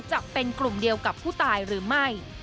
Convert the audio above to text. จะเป็นกลุ่มเดียวกับผู้ตายหรือไม่